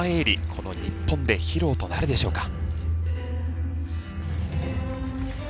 この日本で披露となるでしょうか？